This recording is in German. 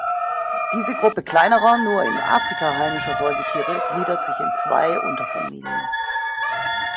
Diese Gruppe kleinerer, nur in Afrika heimischer Säugetiere gliedert sich in zwei Unterfamilien.